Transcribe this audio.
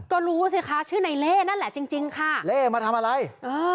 ก็รู้สิคะชื่อในเล่นั่นแหละจริงจริงค่ะเล่มาทำอะไรเออ